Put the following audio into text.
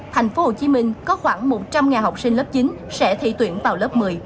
tp hcm có khoảng một trăm linh học sinh lớp chín sẽ thi tuyển vào lớp một mươi